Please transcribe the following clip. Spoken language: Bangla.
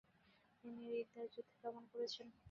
তিনি রিদ্দার যুদ্ধে দমন করেছেন।